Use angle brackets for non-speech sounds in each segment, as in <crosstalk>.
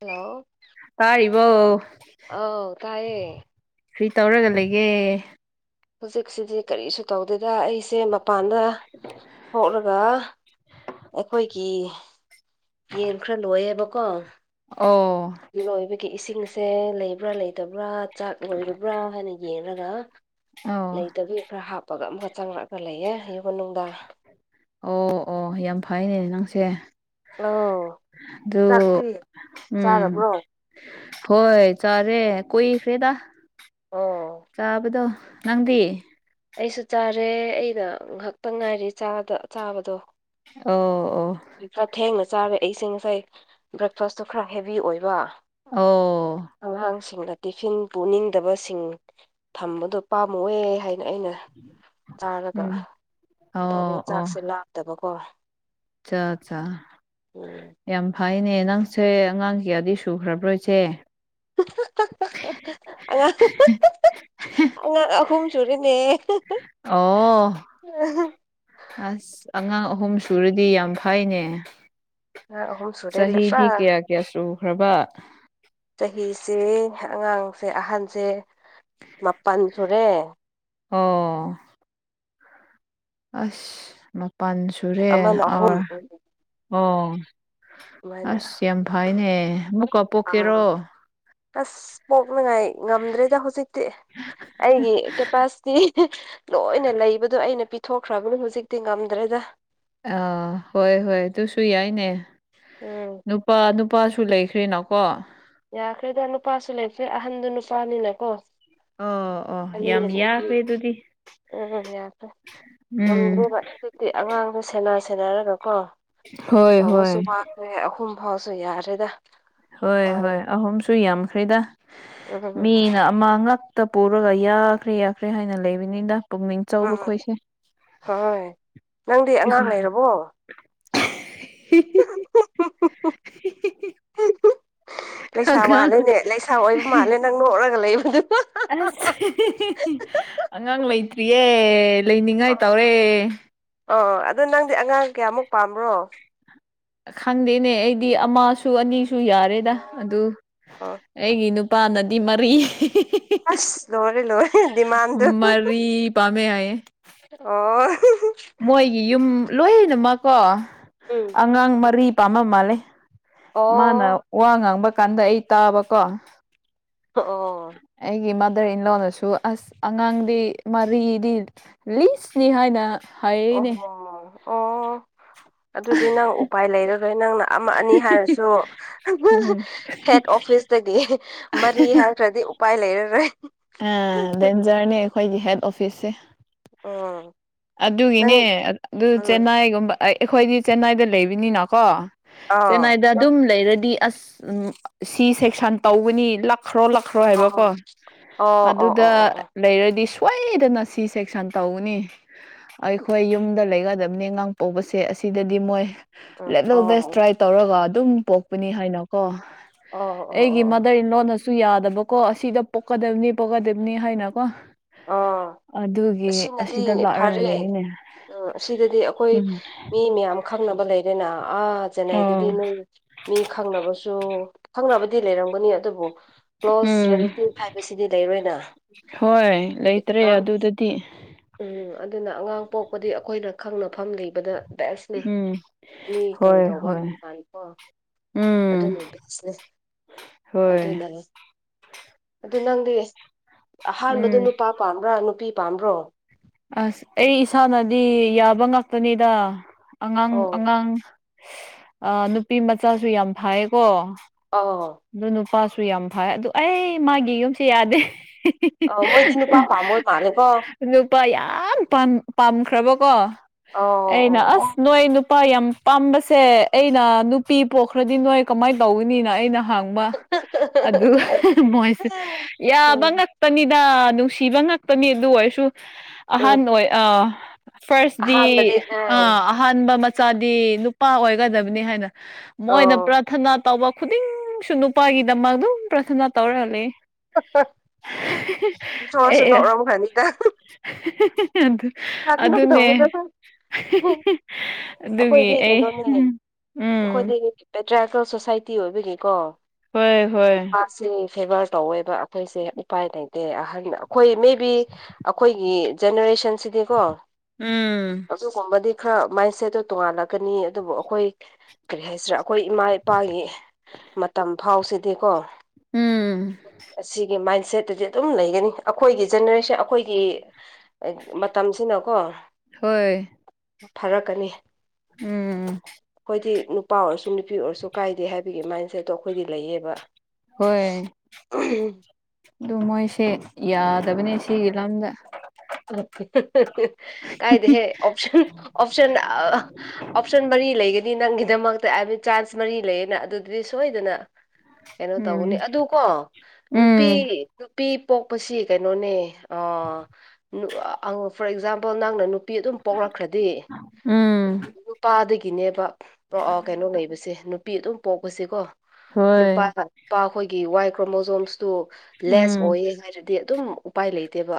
Hello ꯇꯥꯔꯤꯕꯣ ꯑꯥꯎ ꯇꯥꯏꯌꯦ ꯀꯔꯤ ꯇꯧꯔꯒ ꯂꯩꯒꯦ ꯍꯧꯖꯤꯛꯁꯤꯗꯤ ꯀꯔꯤꯁꯨ ꯇꯧꯗꯦꯗ ꯑꯩꯁꯦ ꯃꯄꯥꯟꯗ ꯍꯣꯛꯂꯒ ꯑꯩꯈꯣꯏꯒꯤ ꯌꯦꯟ ꯈꯔ ꯂꯣꯏꯌꯦꯕꯀꯣ ꯑꯣ ꯂꯣꯏꯕꯒꯤ ꯏꯁꯤꯡꯁꯦ ꯂꯩꯕ꯭ꯔꯥ ꯂꯩꯇꯕ꯭ꯔꯥ ꯆꯥꯛ ꯂꯣꯏꯔꯕ꯭ꯔꯥ ꯍꯥꯏꯅ ꯌꯦꯡꯂꯒ ꯑꯣ ꯂꯩꯇꯕꯒꯤ ꯈꯔ ꯍꯥꯞꯄꯒ ꯑꯃꯨꯛꯀ ꯆꯪꯂꯛꯑꯒ ꯂꯩꯌꯦ ꯌꯨꯝ ꯃꯅꯨꯡꯗ ꯑꯣ ꯑꯣ ꯌꯥꯝ ꯐꯩꯅꯦ ꯅꯪꯁꯦ ꯑꯧ ꯑꯗꯨ ꯆꯥꯛꯇꯤ ꯎꯝ ꯆꯥꯔꯕ꯭ꯔꯣ ꯍꯣꯏ ꯆꯥꯔꯦ ꯀꯨꯏꯈ꯭ꯔꯦꯗꯥ ꯑꯣ ꯆꯥꯕꯗꯣ ꯅꯪꯗꯤ ꯑꯩꯁꯨ ꯆꯥꯔꯦ ꯑꯩꯅ ꯉꯍꯥꯛꯇꯪ ꯉꯥꯏꯔꯤ ꯆꯥꯗ ꯆꯥꯕꯗꯣ ꯑꯣ ꯑꯣ ꯍꯧꯖꯤꯛ ꯈꯔ ꯊꯦꯡꯅ ꯆꯥꯔꯦ ꯑꯩꯁꯦ ꯉꯁꯥꯏ ꯕ꯭ꯔꯦꯛꯐꯥꯁꯇꯨ ꯈꯔ ꯍꯦꯚꯤ ꯑꯣꯏꯕ ꯑꯣ ꯑꯉꯥꯡꯁꯤꯡꯅ ꯇꯤꯐꯤꯟ ꯄꯨꯅꯤꯡꯗꯕꯁꯤꯡ ꯊꯝꯕꯗꯣ ꯄꯥꯝꯃꯨꯏꯑꯦ ꯍꯥꯏꯗꯅ ꯑꯩꯅ ꯆꯥꯔꯒ ꯎꯝ ꯇꯧꯕꯒꯤ ꯑꯣ ꯆꯥꯛꯁꯦ ꯂꯥꯝꯗꯕꯀꯣ ꯆꯥꯛ ꯆꯥ ꯑꯣ ꯌꯥꯝ ꯐꯩꯅꯦ ꯅꯪꯁꯦ ꯑꯉꯥꯡ ꯀꯌꯥꯗꯤ ꯁꯨꯈ꯭ꯔꯕ꯭ꯔꯣ ꯏꯆꯦ <unintelligible> ꯑꯉꯥꯡ ꯑꯉꯥꯡ ꯑꯍꯨꯝ ꯁꯨꯔꯦꯅꯦ ꯑꯣ ꯑꯁ ꯑꯉꯥꯡ ꯑꯍꯨꯝ ꯁꯨꯔꯗꯤ ꯌꯥꯝ ꯐꯩꯅꯦ ꯑꯉꯥꯡ ꯑꯍꯨꯝ ꯁꯨꯔꯦ ꯄꯨꯔꯥ ꯆꯍꯤꯗꯤ ꯀꯌꯥ ꯀꯌꯥ ꯁꯨꯈ꯭ꯔꯕ ꯆꯍꯤꯁꯦ ꯑꯉꯥꯡꯁꯦ ꯑꯍꯟꯁꯦ ꯃꯥꯄꯜ ꯁꯨꯔꯦ ꯑꯣ ꯑꯁ ꯃꯄꯟ ꯁꯨꯔꯦ ꯑꯃꯅ ꯑꯣ ꯑꯍꯨꯝ ꯑꯣ ꯑꯗꯨꯃꯥꯏꯅ ꯑꯁ ꯌꯥꯝ ꯐꯥꯏꯅꯦ ꯃꯨꯛꯀ ꯑꯉꯥꯡ ꯑꯁ ꯄꯣꯛꯅꯉꯥꯏ ꯉꯝꯗ꯭ꯔꯦꯗ ꯍꯧꯖꯤꯛꯇꯤ ꯑꯩꯒꯤ ꯀꯦꯄꯥꯁꯤꯇꯤ ꯂꯣꯏꯅ ꯂꯩꯕꯗꯣ ꯑꯩꯅ ꯄꯤ ꯊꯣꯛꯈ꯭ꯔꯕꯅꯤ ꯍꯧꯖꯤꯛꯇꯤ ꯉꯝꯗ꯭ꯔꯦꯗ ꯑꯥ ꯍꯣꯏ ꯍꯣꯏ ꯑꯗꯨꯁꯨ ꯌꯥꯏꯅꯦ ꯎꯝ ꯅꯨꯄꯥ ꯅꯨꯄꯥꯁꯨ ꯂꯩꯈ꯭ꯔꯦꯅꯀꯣ ꯌꯥꯈ꯭ꯔꯦꯗ ꯅꯨꯄꯥꯁꯨ ꯂꯩꯈ꯭ꯔꯦ ꯑꯍꯟꯗꯨ ꯅꯨꯄꯥꯅꯤꯅꯀꯣ ꯑꯣ ꯑꯣ ꯌꯥꯝ ꯑꯅꯤꯅ ꯅꯨꯄꯤ ꯌꯥꯈ꯭ꯔꯦ ꯑꯗꯨꯗꯤ ꯎꯝ ꯌꯥꯈꯔꯦ ꯎꯝ ꯉꯝꯗꯔꯦꯕ ꯑꯗꯨꯢ ꯗꯤ ꯑꯉꯥꯡꯗꯣ ꯁꯦꯟꯅ ꯁꯦꯟꯅꯔꯒꯀꯣ ꯍꯣꯏ ꯍꯣꯏ ꯇꯧꯕꯁꯨ ꯃꯥ ꯑꯦ ꯑꯍꯨꯝ ꯐꯥꯎꯁꯨ ꯌꯥꯔꯦꯗ ꯫ ꯍꯣꯏ ꯍꯣꯏ ꯑꯍꯨꯝꯁꯨ ꯌꯥꯝꯈ꯭ꯔꯦꯗ ꯎꯝ ꯎꯝ ꯃꯤꯅ ꯑꯃ ꯉꯛ ꯇ ꯄꯨꯔꯒ ꯌꯥꯈ꯭ꯔꯦ ꯌꯥꯈ꯭ꯔꯦ ꯍꯥꯏꯅ ꯂꯩꯕꯅꯤꯗ ꯫ ꯄꯨꯛꯅꯤꯡ ꯆꯥꯎꯕ ꯎꯝ ꯈꯣꯏꯁꯦ ꯍꯣꯏ ꯅꯪꯗꯤ ꯑꯉꯥꯡ ꯑꯩꯈꯣꯏꯅ ꯂꯩꯔꯕꯣ <unintelligible> ꯂꯩꯁꯥ ꯋꯥꯠꯂꯦꯅꯦ ꯂꯩꯁꯥ ꯑꯣꯏꯕ ꯃꯥꯜꯂꯦ ꯅꯪ ꯅꯣꯛꯂꯒ ꯂꯩꯕꯗꯨ ꯫ ꯑꯁ ꯑꯉꯥꯡ ꯂꯩꯇ꯭ꯔꯤꯌꯦ ꯂꯩꯅꯤꯡꯉꯥꯏ ꯇꯧꯔꯦ ꯫ ꯑꯣ ꯑꯗꯨ ꯅꯪꯗꯤ ꯑꯉꯥꯡ ꯀꯌꯥꯃꯨꯛ ꯄꯥꯝꯕ꯭ꯔꯣ? ꯈꯪꯗꯦꯅꯦ ꯑꯩꯗꯤ ꯑꯃꯁꯨ ꯑꯅꯤꯁꯨ ꯌꯥꯔꯦꯗ ꯑꯗꯨ ꯑ‌ꯣ ꯑꯩꯒꯤ ꯅꯨꯄꯥꯅꯗꯤ ꯃꯔꯤ ꯑꯁ ꯂꯣꯏꯔꯦ ꯂꯣꯏꯔꯦ ꯗꯤꯃꯥꯟꯗꯨ ꯫ ꯃꯔꯤ ꯄꯥꯝꯃꯦ ꯍꯥꯏꯌꯦ ꯑꯣ ꯃꯣꯏꯒꯤ ꯌꯨꯝ ꯂꯣꯏꯅꯃꯛꯀꯣ ꯎꯝ ꯑꯉꯥꯡ ꯃꯔꯤ ꯄꯥꯝꯃꯕ ꯃꯥꯜꯂꯦ ꯫ ꯑꯣ ꯃꯥꯅ ꯋꯥ ꯉꯥꯡꯕ ꯀꯥꯟꯗ ꯑꯩ ꯇꯥꯕꯀꯣ ꯫ ꯑꯣ ꯑꯩꯒꯤ ꯃꯥꯗꯔ ꯏꯟ ꯂꯣꯅꯁꯨ ꯑꯁ ꯑꯉꯥꯡꯗꯤ ꯃꯔꯤꯗꯤ ꯂꯤꯁꯅꯤ ꯍꯥꯏꯅ ꯍꯥꯏꯔꯤꯅꯦ ꯑꯣꯍꯣ ꯑꯣ ꯑꯗꯨꯗꯤ ꯅꯪ ꯎꯄꯥꯏ ꯂꯩꯔꯔꯣꯏ ꯅꯪꯅ ꯑꯃ ꯑꯅꯤ ꯍꯥꯏꯔꯁꯨ ꯑꯃ ꯎꯝ ꯍꯦꯠ ꯑꯣꯐꯤꯁꯇꯒꯤ ꯃꯔꯤ ꯍꯪꯈ꯭ꯔꯗꯤ ꯎꯄꯥꯏ ꯂꯩꯔꯔꯣꯏ ꯫ ꯑꯥ ꯗꯦꯟꯖꯔꯅꯦ ꯑꯩꯈꯣꯏꯒꯤ ꯍꯦꯠ ꯑꯣꯐꯤꯁꯁꯦ ꯎꯝ ꯫ ꯅꯪ ꯑꯗꯨꯒꯤꯅꯦ ꯑꯗꯨ ꯎꯝ ꯆꯦꯟꯅꯥꯏꯒꯨꯝꯕ ꯑꯩ ꯑꯩꯈꯣꯏꯗꯤ ꯆꯦꯟꯅꯥꯏꯗ ꯂꯩꯕꯅꯤꯅꯀꯣ ꯑꯥ ꯆꯦꯟꯅꯥꯏꯗ ꯗꯨꯝ ꯂꯩꯔꯗꯤ ꯑꯁ ꯎꯝ ꯁꯤ ꯁꯦꯛꯁꯟ ꯇꯧꯒꯅꯤ ꯂꯥꯛꯈ꯭ꯔꯣ ꯂꯥꯛꯈ꯭ꯔꯣ ꯍꯥꯏꯕꯀꯣ ꯑꯣ ꯫ ꯑꯣ ꯑꯣ ꯑꯗꯨꯗ ꯑꯣ ꯑꯣ ꯑꯣ ꯂꯩꯔꯗꯤ ꯁꯣꯏꯗꯅ ꯁꯤ ꯁꯦꯛꯁꯟ ꯇꯧꯒꯅꯤ ꯫ ꯑꯩꯈꯣꯏ ꯌꯨꯝꯗ ꯂꯩꯒꯗꯕꯅꯦ ꯑꯉꯥꯡ ꯄꯣꯛꯄꯁꯦ ꯑꯁꯤꯗꯗꯤ ꯃꯣꯏ ꯎꯝ ꯂ‌ꯦꯕꯜ ꯑꯣ ꯕꯦꯁ ꯇ꯭ꯔꯥꯏ ꯇꯧꯔꯒ ꯑꯗꯨꯝ ꯄꯣꯛꯄꯅꯤ ꯍꯥꯏꯅꯀꯣ ꯑꯣ ꯑꯣ ꯫ ꯑꯩꯒꯤ ꯑꯣ ꯑꯣ ꯃꯥꯗꯔ ꯏꯟ ꯂꯣꯟꯅꯁꯨ ꯌꯥꯗꯕꯀꯣ ꯑꯁꯤꯗ ꯄꯣꯛꯀꯗꯕꯅꯤ ꯫ ꯀꯗꯕꯅꯤ ꯍꯥꯏꯅ ꯀꯣ ꯫ ꯑꯥ ꯑꯁꯤꯅꯗꯤ ꯂꯥꯛꯔꯒ ꯐꯔꯦ ꯂꯩꯔꯤꯅꯦ ꯑ ꯑꯁꯤꯗꯗꯤ ꯑꯩꯈꯣꯏ ꯎꯝ ꯃꯤ ꯃꯌꯥꯝ ꯈꯪꯅꯕ ꯂꯩꯔꯦꯅ ꯑꯥ ꯑꯣ ꯆꯦꯟꯅꯥꯏꯗꯗꯤ ꯅꯣꯏ ꯃꯤ ꯈꯪꯅꯕꯁꯨ ꯈꯪꯅꯕꯗꯤ ꯂꯩꯔꯝꯒꯅꯤ ꯑꯗꯨꯕꯨ ꯀ꯭ꯂꯣꯁ ꯎꯝ ꯔꯤꯂꯦꯇꯤꯚ ꯍꯥꯏ ꯕꯁꯤꯗꯤ ꯂꯩꯔꯣꯏꯅ ꯫ ꯍꯣꯏ ꯗꯨꯒꯤ ꯂꯩꯇ꯭ꯔꯦ ꯑꯉꯥꯡ ꯑꯗꯨꯗꯗꯤ ꯎꯝ ꯑꯗꯨꯅ ꯑꯉꯥꯡ ꯄꯣꯛꯄꯗꯤ ꯑꯩꯈꯣꯏꯅ ꯈꯪꯅꯐꯝ ꯂꯩꯕꯗ ꯕꯦꯁꯅꯦ ꯎꯝ ꯃꯤ ꯀꯔꯤ ꯍꯣꯏ ꯇꯧꯕ ꯍꯣꯏ ꯍꯥꯏꯅ ꯀꯣ ꯫ ꯎꯝ ꯑꯗꯨꯅ ꯕꯦꯁꯅꯦ ꯍꯣꯏ ꯑꯗꯨꯅ ꯑꯗꯨ ꯅꯪꯗꯤ ꯑꯍꯥꯟꯕꯗ ꯎꯝ ꯅꯨꯄꯥ ꯄꯥꯝꯕ꯭ꯔꯥ ꯅꯨꯄꯤ ꯄꯥꯝꯕ꯭ꯔꯣ? ꯑꯁ ꯑꯩ ꯏꯁꯥꯅꯗꯤ ꯌꯥꯕ ꯉꯥꯛꯇꯅꯤꯗ ꯑꯉꯥꯡ ꯑꯣ ꯑꯉꯥꯡ ꯑꯥ ꯅꯨꯄꯤ ꯃꯆꯥꯁꯨ ꯌꯥꯝ ꯐꯥꯏꯌꯦꯀꯣ ꯫ ꯑꯥ ꯑꯗꯨ ꯅꯨꯄꯥꯁꯨ ꯌꯥꯝ ꯐꯩ ꯑꯗꯨ ꯑꯩ ꯃꯥꯒꯤ ꯌꯨꯝꯁꯦ ꯌꯥꯗꯦ ꯫ ꯑꯥ ꯃꯣꯏꯗꯤ ꯅꯨꯄꯥ ꯄꯥꯃꯣꯏ <unintelligible> ꯅꯨꯄꯥ ꯌꯥꯝ ꯄꯥꯝ ꯄꯥꯝꯈ꯭ꯔꯕ ꯀꯣ ꯑꯣ ꯑꯩꯅ ꯑꯣ ꯑꯣ ꯑꯁ ꯅꯣꯏ ꯅꯨꯄꯥ ꯌꯥꯝ ꯄꯥꯝꯕꯁꯦ ꯑꯩꯅ ꯅꯨꯄꯤ ꯄꯣꯛꯈ꯭ꯔꯗꯤ ꯅꯣꯏ ꯀꯃꯥꯏ ꯇꯧꯒꯅꯤꯅ ꯑꯩꯅ ꯍꯪꯕ ꯑꯗꯨꯒ ꯃꯣꯏꯁꯦ ꯌꯥꯕ ꯎꯝ ꯉꯥꯛꯇꯅꯤꯗ <unintelligible> ꯁꯤꯕ ꯉꯥꯛꯇꯅꯤ ꯑꯗꯨ ꯑꯣꯏꯔꯁꯨ ꯎꯝ ꯑꯍꯟ ꯑꯣꯏ ꯑꯥ ꯐꯥꯔꯁꯗꯤ ꯑꯍꯥꯟꯕꯗꯤ ꯎꯝ ꯑꯥ ꯑꯍꯥꯟꯕ ꯃꯆꯥꯗꯤ ꯅꯨꯄꯥ ꯑꯣꯏꯒꯗꯕꯅꯤ ꯍꯥꯏꯅ ꯃꯣꯏꯅ ꯑꯣ <unintelligible> ꯇꯧꯕ ꯈꯨꯗꯤꯡꯁꯨ ꯅꯨꯄꯥꯒꯤꯗꯃꯛ ꯑꯗꯨꯝ ꯄ꯭ꯔꯥꯊꯅꯥ ꯇꯧꯔꯒ ꯂꯩ ꯏꯁꯣꯔꯁꯨ <unintelligible> <unintelligible> ꯑꯗꯨ ꯑꯗꯨꯅꯦ ꯇꯧꯕꯗꯣ ꯑꯗꯨꯒꯤ ꯑꯩꯈꯣꯏꯗꯤ ꯑꯩ ꯀꯩꯅꯣꯅꯦ ꯎꯝ ꯑꯩꯈꯣꯏꯗꯤ ꯄꯦꯇ꯭ꯔꯥꯏꯔꯤꯀꯦꯜ ꯁꯣꯁꯥꯏꯇꯤ ꯑꯣꯏꯕꯒꯤꯀꯣ ꯍꯣꯏ ꯍꯣꯏ ꯃꯥꯁꯦ ꯐꯦꯚꯔ ꯇꯧꯋꯦꯕ ꯑꯩꯈꯣꯏꯁꯦ ꯎꯄꯥꯏ ꯂꯩꯇꯦ ꯑꯍꯜ ꯑꯩꯈꯣꯏ ꯃꯦꯕꯤ ꯑꯩꯈꯣꯏꯒꯤ ꯖꯦꯅꯦꯔꯦꯁꯟꯁꯤꯗꯤꯀꯣ ꯎꯝ ꯑꯗꯨꯒꯨꯝꯕꯗꯤ ꯈꯔ ꯃꯥꯏꯟ ꯁꯦꯠꯇꯣ ꯇꯣꯡꯉꯥꯜꯂꯛꯀꯅꯤ ꯑꯗꯨꯕꯨ ꯑꯩꯈꯣꯏ ꯀꯔꯤ ꯍꯥꯏꯁꯤꯔꯥ ꯑꯩꯈꯣꯏ ꯏꯃꯥ ꯏꯄꯥꯒꯤ ꯃꯇꯝ ꯐꯥꯎꯁꯤꯗꯤꯀꯣ ꯎꯝ ꯑꯁꯤꯒꯤ ꯃꯥꯏꯟ ꯁꯦꯠꯇꯨꯗꯤ ꯑꯗꯨꯝ ꯂꯩꯒꯅꯤ ꯑꯩꯈꯣꯏꯒꯤ ꯖꯦꯅꯦꯔꯦꯁꯟ ꯑꯩꯈꯣꯏꯒꯤ <unintelligible> ꯇꯝꯁꯤꯅꯣꯀꯣ ꯍꯣꯏ ꯐꯔꯛꯀꯅꯤ ꯎꯝ ꯑꯩꯈꯣꯏꯗꯤ ꯅꯨꯄꯥ ꯑꯣꯏꯔꯁꯨ ꯅꯨꯄꯤ ꯑꯣꯏꯔꯁꯨ ꯀꯥꯏꯗꯦ ꯍꯥꯏꯕꯒꯤ ꯃꯥꯏꯟꯁꯦꯠꯇꯣ ꯑꯩꯈꯣꯏꯗꯤ ꯂꯩꯌꯦꯕ ꯍꯣꯏ ꯑꯗꯨ ꯃꯣꯏꯁꯦ ꯌꯥꯗꯕꯅꯤ ꯁꯤꯒꯤ ꯂꯝꯗ ꯀꯥꯏꯗ ꯍꯦ ꯑꯣꯞꯁꯟ ꯑꯣꯞꯁꯟ <unintelligible> ꯑꯣꯞꯁꯟ ꯃꯔꯤ ꯂꯩꯒꯅꯤ ꯅꯪꯒꯤꯗꯃꯛꯇ <unintelligible> ꯃꯔꯤ ꯂꯩꯌꯦꯅ ꯑꯗꯨꯗꯗꯤ ꯁꯣꯏꯗꯅ ꯀꯩꯅꯣ ꯎꯝ ꯇꯧꯒꯅꯤ ꯑꯗꯨ ꯀꯣ ꯅꯨꯄꯤ ꯎꯝ ꯅꯨꯄꯤ ꯄꯣꯛꯄꯁꯤ ꯀꯩꯅꯣꯅꯦ <inaudible> ꯑꯪ ꯐꯣꯔ ꯑꯦꯛꯖꯥꯝꯄꯜ ꯅꯪꯅ ꯅꯨꯄꯤ ꯑꯗꯨꯝ ꯄꯣꯛꯂꯛꯈ꯭ꯔꯗꯤ ꯎꯝ ꯄꯥꯗꯒꯤꯅꯦꯕ ꯀꯩꯅꯣ ꯂꯩꯕꯁꯦ ꯅꯨꯄꯤ ꯑꯗꯨꯝ ꯄꯣꯛꯄꯁꯦꯀꯣ ꯍꯣꯏ ꯅꯨꯄꯥ ꯄꯥꯈꯣꯏꯒꯤ ꯋꯥꯏ ꯀ꯭ꯔꯣꯃꯣꯖꯣꯝꯁꯇꯨ ꯂꯦꯁ ꯎꯝ ꯑꯣꯏꯌꯦ ꯍꯥꯏꯔꯗꯤ ꯑꯗꯨꯝ ꯎꯄꯥꯏ ꯂꯩꯇꯦꯕ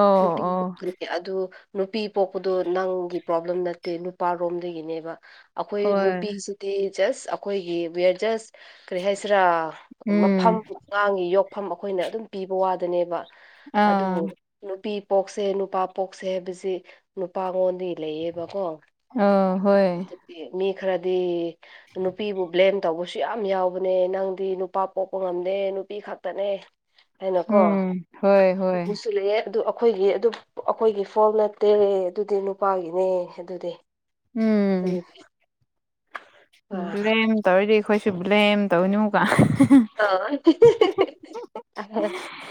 ꯑꯣ <unintelligible> ꯑꯣ ꯨꯑꯗꯨ ꯅꯨꯄꯤ ꯄꯣꯛꯄꯗꯨ ꯅꯪꯒꯤ ꯄ꯭ꯔꯣꯕ꯭ꯂꯦꯝ ꯅꯠꯇꯦ ꯅꯨꯄꯥꯔꯣꯝꯗꯒꯤꯅꯦꯕ ꯑꯩꯈꯣꯏ ꯍꯣꯏ ꯅꯨꯄꯤꯖꯤꯗꯤ ꯖꯁ ꯑꯩꯈꯣꯏꯒꯤ ꯋꯦꯌꯔ ꯖꯁ ꯀꯔꯤ ꯍꯥꯏꯁꯤꯔꯥ ꯎꯝ ꯃꯐꯝ ꯑꯉꯥꯡꯒꯤ ꯌꯣꯛꯐꯝ ꯑꯩꯈꯣꯏꯅ ꯑꯗꯨꯝ ꯄꯤꯕ ꯋꯥꯗꯅꯦꯕ ꯑꯗꯨꯕꯨ ꯑꯥ ꯅꯨꯄꯤ ꯄꯣꯛꯁꯦ ꯅꯨꯄꯥ ꯄꯣꯛꯁꯦ ꯍꯥꯏꯕꯁꯤ ꯅꯨꯄꯥꯉꯣꯟꯗꯒꯤ ꯂꯩꯌꯦꯕꯀꯣ ꯑꯥ ꯍꯣꯏ ꯃꯤ ꯈꯔꯗꯤ ꯅꯨꯄꯤꯕꯨ ꯕ꯭ꯂꯦꯝ ꯇꯧꯕꯁꯨ ꯌꯥꯝ ꯌꯥꯎꯕꯅꯦ ꯅꯪꯗꯤ ꯅꯨꯄꯥ ꯄꯣꯛꯄ ꯉꯝꯗꯦ ꯅꯨꯄꯤ ꯈꯛꯇꯅꯦ ꯍꯥꯏꯅꯀꯣ ꯎꯝ ꯍꯣꯏ ꯍꯣꯏ <unintelligible> ꯂꯩꯌꯦ ꯑꯗꯨ ꯑꯩꯈꯣꯏꯒꯤ ꯑꯗꯨ ꯑꯩꯈꯣꯏꯒꯤ ꯐꯣꯜ ꯅꯠꯇꯦ ꯑꯗꯨꯗꯤ ꯅꯨꯄꯥꯒꯤꯅꯦ ꯑꯗꯨꯗꯤ ꯑꯗꯨꯗꯤ ꯎꯝ ꯑꯥ ꯕ꯭ꯂꯦꯝ ꯇꯧꯔꯤꯗꯤ ꯑꯩꯈꯣꯏꯁꯨ ꯕ꯭ꯂꯦꯝ ꯇꯧꯅꯨꯒ ꯑꯥ <unintelligible>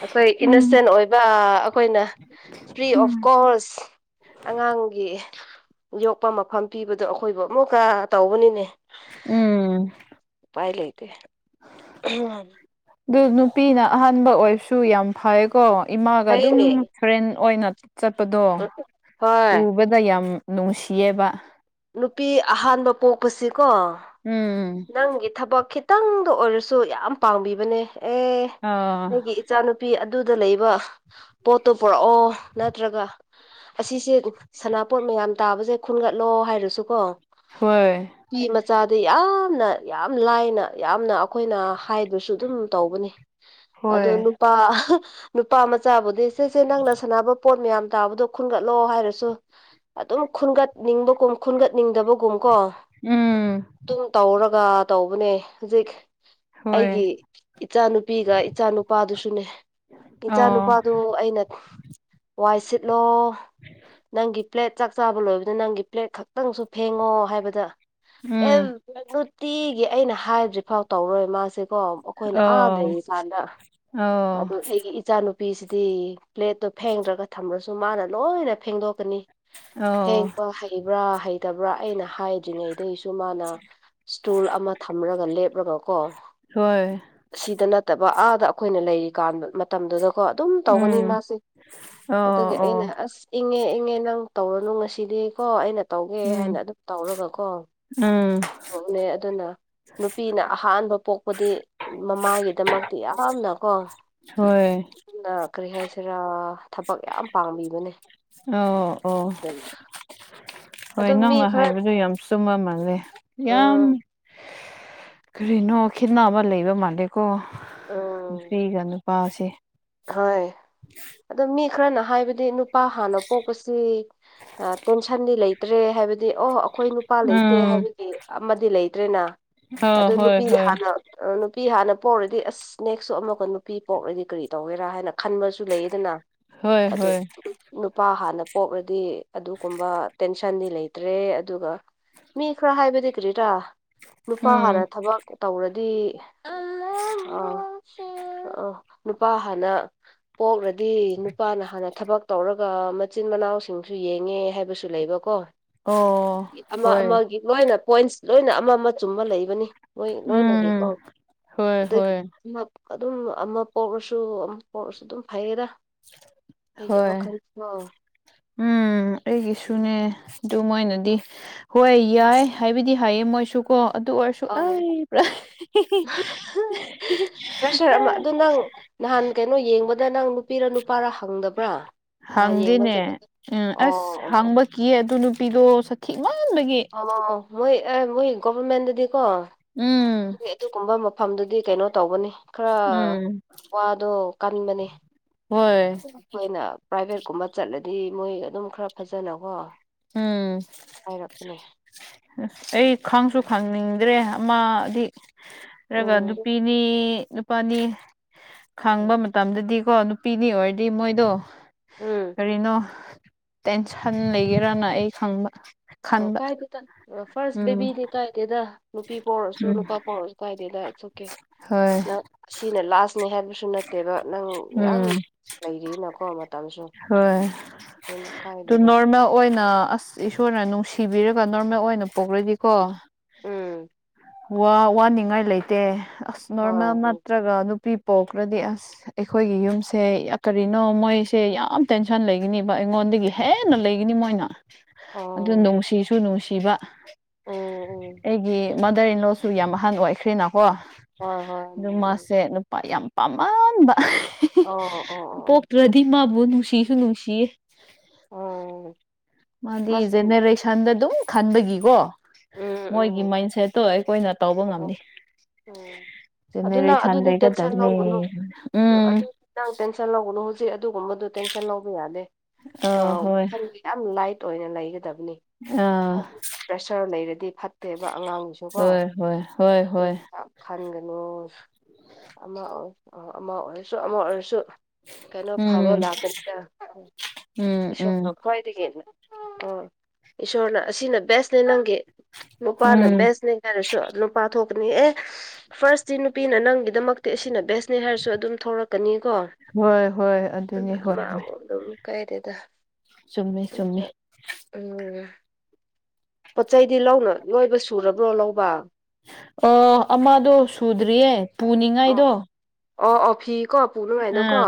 ꯑꯩꯈꯣꯏ ꯎꯝ ꯏꯅꯣꯁꯦꯟ ꯑꯣꯏꯕ ꯑꯩꯈꯣꯏꯅ ꯐ꯭ꯔꯤ ꯑꯣꯐ ꯀꯣꯁ ꯑꯉꯥꯡꯒꯤ ꯌꯣꯛꯄ ꯃꯐꯝ ꯄꯤꯕꯗꯣ ꯑꯩꯈꯣꯏꯕꯨ ꯑꯃꯨꯛꯀ ꯇꯧꯕꯅꯤꯅꯦ ꯎꯝ ꯎꯄꯥꯏ ꯂꯩ <unintelligible> ꯑꯗꯨ ꯅꯨꯄꯤꯅ ꯑꯍꯥꯟꯕ ꯑꯣꯏꯔꯁꯨ ꯌꯥꯝ ꯐꯩꯀꯣ ꯏꯃꯥꯒ ꯑꯗꯨꯝ ꯐꯩꯅꯦ ꯐ꯭ꯔꯦꯟ ꯑꯣꯏꯅ ꯆꯠꯄꯗꯣ ꯍꯣꯏ ꯎꯕꯗ ꯌꯥꯝ ꯅꯨꯡꯁꯤꯌꯦꯕ ꯅꯨꯄꯤ ꯑꯍꯥꯟꯕ ꯄꯣꯛꯄꯁꯤꯀꯣ ꯎꯝ ꯅꯪꯒꯤ ꯊꯕꯛ ꯈꯤ ꯇꯪꯗ ꯑꯣꯏꯔꯁꯨ ꯌꯥꯝ ꯄꯥꯡꯕꯤꯕꯅꯦ ꯑꯦ ꯑꯥ ꯑꯩꯒꯤ ꯏꯆꯥꯅꯨꯄꯤ ꯑꯗꯨꯗ ꯂꯩꯕ ꯄꯣꯠꯇꯨ ꯄꯨꯔꯛꯑꯣ ꯅꯠꯇ꯭ꯔꯒ ꯑꯁꯤꯁꯦ ꯁꯅꯥꯄꯣꯠ ꯃꯌꯥꯝ ꯇꯥꯕꯁꯦ ꯈꯨꯟꯒꯠꯂꯣ ꯍꯥꯏꯔꯁꯨꯀꯣ ꯍꯣꯏ ꯐꯤ ꯃꯆꯥꯗꯤ ꯌꯥꯝꯅ ꯌꯥꯝ ꯂꯥꯏꯅ ꯌꯥꯝꯅ ꯑꯩꯈꯣꯏꯅ ꯍꯥꯏꯕꯁꯨ ꯑꯗꯨꯝ ꯇꯧꯕꯅꯤ ꯑꯗꯣ ꯍꯣꯏ ꯅꯨꯄꯥ ꯅꯨꯄꯥ ꯃꯆꯥꯕꯨꯗꯤ ꯁꯦ ꯁꯦ ꯅꯪꯅ ꯁꯥꯟꯅꯕ ꯄꯣꯠ ꯃꯌꯥꯝ ꯇꯥꯕꯗꯣ ꯈꯨꯟꯒꯠꯂꯣ ꯍꯥꯏꯔꯁꯨ ꯑꯗꯨꯝ ꯈꯨꯟꯒꯠꯅꯤꯡꯕꯒꯨꯝ ꯈꯨꯟꯒꯠꯅꯤꯡꯗꯕꯒꯨꯝ ꯀꯣ ꯎꯝ ꯑꯗꯨꯝ ꯇꯧꯔꯒ ꯇꯧꯕꯅꯦ ꯍꯧꯖꯤꯛ ꯍꯣꯏ ꯑꯩꯒꯤ ꯏꯆꯥꯅꯨꯄꯤꯒ ꯏꯆꯥ ꯅꯨꯨꯄꯥꯗꯨꯁꯨꯅꯦ ꯏꯆꯥ ꯑꯣ ꯅꯨꯄꯥꯗꯨ ꯑꯩꯅ ꯋꯥꯏ ꯁꯤꯠꯂꯣ ꯅꯪꯒꯤ ꯄ꯭ꯂꯦꯠ ꯆꯥꯛ ꯆꯥꯕ ꯂꯣꯏꯕꯗ ꯅꯪꯒꯤ ꯄ꯭ꯂꯦꯠ ꯈꯛ ꯇꯪꯁꯨ ꯐꯦꯡꯉꯣ ꯍꯥꯏꯕꯗ ꯑꯦ ꯎꯝ ꯅꯨꯡꯇꯤꯒꯤ ꯑꯩꯅ ꯍꯥꯏꯗ꯭ꯔꯤꯐꯥꯎ ꯇꯧꯔꯣꯏ ꯃꯥꯁꯤꯀꯣ ꯑꯩꯈꯣꯏꯅ ꯑꯥ ꯑꯣ ꯂꯩꯔꯤ ꯀꯥꯟꯗ ꯑꯣ ꯑꯗꯨ ꯑꯩꯒꯤ ꯢ ꯏꯆꯥꯅꯨꯄꯤꯁꯤꯗꯤ ꯄ꯭ꯂꯦꯠꯇꯣ ꯐꯦꯡꯗ꯭ꯔꯒ ꯊꯝꯃ꯭ꯔꯁꯨ ꯃꯥꯅ ꯂꯣꯏꯅ ꯐꯦꯡꯗꯣꯛꯀꯅꯤ ꯑꯣ ꯐꯦꯡꯕ ꯍꯩꯕ꯭ꯔꯥ ꯍꯩꯇꯕ꯭ꯔꯥ ꯑꯩꯅ ꯍꯥꯏꯗ꯭ꯔꯤꯉꯩꯗꯁꯨ ꯃꯥꯅ ꯏꯁꯇꯨꯜ ꯑꯃ ꯊꯝꯔꯒ ꯂꯦꯞꯂꯒ ꯀꯣ ꯍꯣꯏ ꯁꯤꯗ ꯅꯠꯇꯕ ꯑꯥꯗ ꯑꯩꯈꯣꯏꯅ ꯂꯩꯔꯤ ꯀꯥꯟ ꯃꯇꯝꯗꯨꯗꯀꯣ ꯑꯗꯨꯝ ꯇꯧꯒꯅꯤ ꯎꯝ ꯃꯥꯁꯦ ꯑꯣ ꯑꯗꯨꯒꯤ ꯑꯩꯅ ꯑꯣ ꯑꯁ ꯏꯪꯉꯦ ꯏꯪꯉꯦ ꯅꯪ ꯇꯧꯔꯅꯨ ꯉꯁꯤꯗꯤꯀꯣ ꯑꯩꯅ ꯇꯧꯒꯦ ꯎꯝ ꯍꯥꯏꯅ ꯑꯗꯨꯝ ꯇꯧꯔꯒꯀꯣ ꯎꯝ ꯇꯧꯕꯅꯦ ꯑꯗꯨꯅ ꯅꯨꯄꯤꯅ ꯑꯍꯥꯟꯕ ꯄꯣꯛꯄꯗꯤ ꯃꯃꯥꯒꯤꯗꯃꯛꯇꯤ ꯌꯥꯝꯅꯀꯣ ꯍꯣꯏ ꯅ ꯀꯔꯤ ꯍꯥꯏꯁꯤꯔꯥ ꯊꯕꯛ ꯌꯥꯝ ꯄꯥꯝꯕꯤꯕꯅꯦ ꯑꯣ ꯑꯣ ꯑꯗꯨꯅ ꯍꯣꯏ ꯑꯗꯨꯝ ꯃꯤ ꯅꯪꯅ ꯈꯔ ꯍꯥꯏꯕꯗꯨ ꯌꯥꯝ ꯆꯨꯝꯕ ꯃꯥꯜꯂꯦ ꯌꯥꯝ ꯎꯝ ꯀꯔꯤꯅꯣ ꯈꯦꯠꯅꯕ ꯂꯩꯕ ꯃꯥꯜꯂꯦꯀꯣ ꯎꯝ ꯅꯨꯄꯤꯒ ꯅꯨꯄꯥꯁꯦ ꯍꯣꯏ ꯑꯗꯣ ꯃꯤ ꯈꯔꯅ ꯍꯥꯏꯕꯗꯤ ꯅꯨꯄꯥ ꯍꯥꯟꯅ ꯄꯣꯛꯄꯁꯤ ꯇꯦꯟꯁꯟꯗꯤ ꯂꯩꯇ꯭ꯔꯦ ꯍꯥꯏꯕꯗꯤ ꯑꯣ ꯑꯩꯈꯣꯏ ꯅꯨꯄꯥ ꯂꯩꯇꯦ ꯎꯝ ꯍꯥꯏꯕꯒꯤ ꯑꯃꯗꯤ ꯂꯩꯇ꯭ꯔꯦꯅ ꯑꯥ ꯑꯗꯨ ꯍꯣꯏ ꯅꯨꯄꯤ ꯍꯣꯏ ꯍꯥꯟꯅ ꯅꯨꯄꯤ ꯍꯥꯟꯅ ꯄꯣꯛꯔꯗꯤ ꯑꯁ ꯅꯦꯛꯁꯨ ꯑꯃꯒ ꯅꯨꯄꯤ ꯄꯣꯛꯔꯗꯤ ꯀꯔꯤ ꯇꯧꯒꯦꯔꯥ ꯍꯥꯏꯅ ꯈꯟꯕꯁꯨ ꯂꯩꯌꯦꯗꯅ ꯍꯣꯏ ꯑꯗꯨ ꯍꯣꯏ ꯅꯨꯄꯥ ꯍꯥꯟꯅ ꯄꯣꯛꯂꯗꯤ ꯑꯗꯨꯒꯨꯝꯕ ꯇꯦꯟꯁꯟꯗꯤ ꯂꯩꯇ꯭ꯔꯦ ꯑꯗꯨꯒ ꯃꯤ ꯈ꯭ꯔ ꯈꯏꯕꯗꯤ ꯀꯔꯤꯔꯥ ꯅꯨꯄꯥ ꯍꯥꯟꯅ ꯎꯝ ꯊꯕꯛ ꯇꯧꯔꯗꯤ ꯑ ꯑ ꯅꯨꯄꯥ ꯍꯟꯅꯥ ꯄꯣꯛꯂꯗꯤ ꯅꯨꯄꯥꯅ ꯍꯥꯟꯅ ꯊꯕꯛ ꯇꯧꯔꯒ ꯃꯆꯤꯟ ꯃꯅꯥꯎꯁꯤꯡꯁꯨ ꯌꯦꯡꯉꯦ ꯍꯥꯏꯕꯁꯨ ꯂꯩꯕ ꯀꯣ ꯑꯣ ꯑꯃ ꯍꯣꯏ ꯑꯃꯒꯤ ꯂꯣꯏꯅ ꯄꯣꯏꯟꯁ ꯂꯣꯏꯅ ꯑꯃ ꯑꯃ ꯆꯨꯝꯕ ꯂꯩꯕꯅꯤ ꯃꯣꯏ ꯂꯣꯏꯅꯒꯤꯀꯣ ꯎꯝ ꯍꯣꯏ ꯑꯗꯨꯒꯤ ꯍꯣꯏ ꯑꯗꯨꯝ ꯑꯃ ꯄꯣꯛꯔꯁꯨ ꯑꯃ ꯄꯣꯛꯔꯁꯨ ꯑꯗꯨꯝ ꯐꯩꯌꯦꯗꯥ ꯍꯣꯏ ꯎꯝ ꯑꯩꯒꯤꯁꯨꯅꯦ ꯑꯗꯨ ꯃꯣꯏꯅꯗꯤ ꯍꯣꯏ ꯌꯥꯏ ꯍꯥꯏꯕꯗꯤ ꯍꯥꯏꯌꯦ ꯃꯣꯏꯁꯨ ꯀꯣ ꯑꯗꯨ ꯑꯣꯏꯔꯁꯨ ꯁꯨ ꯑꯧ ꯑꯩꯕ꯭ꯔꯥ ꯄ꯭ꯔꯦꯁꯔ ꯑꯃ ꯑꯗꯨ ꯅꯪ ꯅꯍꯥꯟ ꯀꯩꯅꯣ ꯌꯦꯡꯕꯗ ꯅꯪ ꯅꯨꯄꯤꯔ ꯅꯨꯄꯥꯔ ꯍꯪꯗꯕ꯭ꯔꯥ ꯅꯍꯥꯟ ꯌꯦꯡꯕ ꯆꯠꯄꯗ ꯑꯣ ꯑꯣ ꯑꯣ ꯀ ꯑꯗꯨ ꯅꯨꯄꯤꯗꯣ ꯁꯈꯤ ꯃꯥꯟꯕꯒꯤ ꯑꯣ ꯃꯣꯏ ꯑꯦ ꯃꯣꯏ ꯒꯣꯕꯔꯃꯦꯟꯗꯗꯤꯀꯣ ꯎꯝ ꯑꯗꯨꯒꯨꯝꯕ ꯃꯐꯝꯗꯨꯗꯤ ꯀꯩꯅꯣ ꯇꯧꯕꯅꯤ ꯈꯔ ꯎꯝ ꯋꯥꯗꯣ ꯀꯟꯕꯅꯤ ꯍꯣꯏ ꯑꯩꯈꯣꯏꯅ ꯄ꯭ꯔꯥꯏꯚꯦꯠꯀꯨꯝꯕ ꯆꯠꯂꯗꯤ ꯃꯣꯏ ꯑꯗꯨꯝ ꯈꯔ ꯐꯖꯅꯀꯣ ꯎꯝ ꯍꯥꯏꯔꯛꯄꯅꯦ ꯑꯩ ꯈꯪꯁꯨ ꯈꯪꯅꯤꯡꯗ꯭ꯔꯦ ꯑꯃ ꯑꯩꯅꯒ ꯎꯝ ꯅꯨꯄꯤꯅꯤ ꯅꯨꯄꯥꯅꯤ ꯈꯥꯡꯕ ꯃꯇꯝꯗꯗꯤ ꯀꯣ ꯅꯨꯄꯤꯅꯤ ꯑꯣꯏꯔꯗꯤ ꯃꯣꯏꯗꯣ ꯎꯝ ꯀꯔꯤꯅꯣ ꯇꯦꯟꯁꯟ ꯂꯩꯒꯦꯔꯅ ꯑꯩ ꯈꯪꯕ ꯑꯣ ꯈꯟꯕ ꯀꯥꯏꯗꯦ ꯇ ꯐꯔꯁ ꯎꯝ ꯕꯦꯕꯤꯗꯤ ꯀꯥꯏꯗꯦꯗ ꯅꯨꯄꯤ ꯄꯣꯛꯑꯁꯨ ꯎꯝ ꯅꯨꯄꯥ ꯄꯣꯛꯔꯁꯨ ꯀꯥꯏꯗꯦꯗ ꯏꯠꯁ ꯑꯣꯀꯦ ꯍꯣꯏ ꯅꯪ ꯁꯤꯅ ꯂꯥꯁꯅꯦ ꯍꯥꯏꯕꯁꯨ ꯁꯨ ꯅꯠꯇꯦꯕ ꯅꯪ ꯌꯥꯝ ꯎꯝ ꯂꯩꯔꯤꯅꯀꯣ ꯃꯇꯝꯁꯨ ꯍꯣꯏ ꯀꯥꯏꯗ <inaudible> ꯑꯗꯨ ꯅꯣꯔꯃꯦꯜ ꯑꯣꯏꯅ ꯑꯁ ꯏꯁꯣꯔꯅ ꯅꯨꯡꯁꯤꯕꯤꯔꯒ ꯅꯣꯔꯃꯦꯜ ꯑꯣꯏꯅ ꯄꯣꯛꯂꯗꯤꯀꯣ ꯎꯝ ꯋꯥ ꯋꯥꯅꯤꯡꯉꯥꯏ ꯂꯩꯇꯦ ꯑꯁ ꯅꯣꯔꯃꯦꯜ ꯍꯣꯏ ꯅꯠꯇ꯭ꯔꯒ ꯅꯨꯄꯤ ꯄꯣꯛꯈ꯭ꯔꯗꯤ ꯑꯁ ꯑꯩꯈꯣꯏꯒꯤ ꯌꯨꯝꯁꯦ ꯀꯔꯤꯅꯣ ꯃꯣꯏꯁꯦ ꯌꯥꯝ ꯇꯦꯟꯁꯟ ꯂꯩꯒꯅꯦꯕ ꯑꯩꯉꯣꯟꯗꯒꯤ ꯍꯦꯟꯅ ꯂꯩꯒꯅꯤ ꯃꯣꯏꯅ ꯑꯗꯨ ꯑꯣ ꯅꯨꯡꯁꯤꯁꯨ ꯅꯨꯡꯁꯤꯕ ꯎꯝ ꯎꯝ ꯑꯩꯒꯤ ꯃꯥꯗꯔ ꯏꯟꯂꯣꯁꯨ ꯌꯥꯝ ꯑꯍꯟ ꯑꯣꯏꯈ꯭ꯔꯦꯅꯀꯣ ꯍꯣꯏ ꯍꯣꯏ ꯎꯝ ꯑꯗꯨꯃꯁ ꯎꯝ ꯁꯦ ꯅꯨꯄꯥ ꯌꯥꯝ ꯄꯥꯝꯃꯟꯕ ꯑꯣ ꯑꯣ ꯑꯣ ꯑꯣ ꯄꯣꯛꯇ꯭ꯔꯗꯤ ꯃꯥꯕꯨ ꯅꯨꯡꯁꯤꯁꯨ ꯅꯨꯡꯁꯤꯌꯦ ꯎꯝ ꯃꯥꯗꯤ ꯃꯁ ꯎꯝ ꯖꯦꯅꯦꯔꯦꯁꯟꯗ ꯑꯗꯨꯝ ꯈꯟꯕꯒꯤꯀꯣ ꯃꯣꯏꯒꯤ ꯎꯝ ꯃꯥꯏꯟꯁꯦꯠꯇꯣ ꯑꯩꯈꯣꯏꯅ ꯇꯧꯕ ꯉꯝꯅꯤ ꯎꯝ ꯑꯗꯨ ꯅꯪ ꯖꯦꯅꯔꯦꯁꯟ ꯑꯗꯨꯗꯤ ꯇꯦꯟꯁꯟ ꯂꯩꯒꯗꯕꯅꯦ ꯂꯧꯒꯅꯨ ꯎꯝ ꯅꯪ ꯇꯦꯟꯁꯟ ꯂꯧꯕꯅꯨ ꯍꯧꯖꯤꯛ ꯑꯗꯨꯒꯨꯝꯕꯗꯨꯣ ꯇꯦꯟꯁꯟ ꯂꯧꯕ ꯌꯥꯗꯦ ꯑ ꯌꯥꯝ ꯂꯥꯏꯠ ꯑꯣꯏꯅ ꯂꯩꯒꯗꯕꯅꯤ ꯑꯥ ꯍꯥꯏꯗꯤ ꯄ꯭ꯔꯦꯁꯔ ꯂꯩꯔꯗꯤ ꯐꯠꯇꯦꯕ ꯑꯉꯥꯡꯒꯤꯁꯨ ꯀꯣ ꯍꯣꯏ ꯍꯣꯏ ꯍꯣꯏ <inaudible> ꯈꯟꯒꯅꯨ ꯑꯃ ꯑꯣꯏ ꯑꯃ ꯑꯣꯏꯔꯁꯨ ꯑꯃ ꯑꯣꯏꯔꯁꯨ ꯀꯩꯅꯣ ꯐꯕ ꯎꯝ ꯂꯥꯛꯀꯅꯤꯗ ꯎꯝ ꯏꯁꯣꯔꯅ ꯎꯝ ꯈ꯭ꯋꯥꯏꯗꯒꯤ ꯑꯪ ꯏꯁꯣꯔꯅ ꯑꯁꯤꯅ ꯕꯦꯁꯅꯦ ꯅꯪꯒꯤ ꯅꯨꯄꯥꯅ ꯎꯝ ꯕꯦꯁꯅꯤ ꯍꯥꯏꯔꯁꯨ ꯅꯨꯄꯥ ꯊꯣꯛꯀꯅꯤꯍ‌ꯦ ꯐꯥꯔꯁꯇꯤ ꯅꯨꯄꯤꯅ ꯅꯪꯒꯤꯗꯃꯛꯇ ꯑꯁꯤꯅ ꯕꯦꯁꯅꯦ ꯍꯥꯏꯔꯁꯨ ꯑꯗꯨꯝ ꯊ‌ꯣꯔꯛꯀꯅꯤ ꯀꯣ ꯍꯣꯏ ꯍꯣꯏ ꯑꯗꯨꯅꯤ ꯍꯣꯏ ꯍꯣꯏ ꯑꯗꯨꯝ ꯀꯥꯏꯗꯦꯗ ꯆꯨꯝꯃꯦ ꯆꯨꯝꯃꯦ ꯎꯝ ꯄꯣꯠ ꯆꯩꯗꯤ ꯂꯧꯅ ꯂꯣꯏꯕ ꯁꯨꯔꯕ꯭ꯔꯣ ꯂꯧꯕ ꯑ ꯑꯃꯗꯣ ꯁꯨꯗ꯭ꯔꯤꯌꯦ ꯑꯣ ꯄꯨꯅꯤꯡꯉꯥꯏꯗꯣ ꯑꯣ ꯑꯣ ꯐꯤ ꯀꯣ ꯑ ꯄꯨꯅꯉꯥꯏꯗ‌ꯣ ꯀꯣ